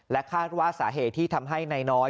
คาดว่าสาเหตุที่ทำให้นายน้อย